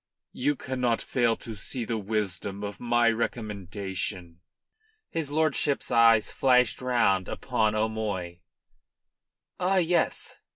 You cannot fail to see the wisdom of my recommendation." His lordship's eyes flashed round upon O'Moy. "Ah yes!"